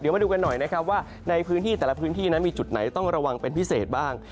มาดูกันหน่อยนะครับว่าในพื้นที่แต่ละพื้นที่นั้นมีจุดไหนต้องระวังเป็นพิเศษบ้าง